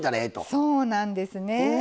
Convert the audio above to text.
そうなんですね。